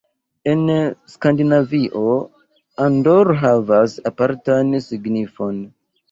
En Skandinavio Andor havas apartan signifon.